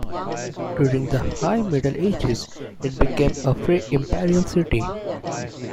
During the High Middle Ages, it became a Free Imperial City.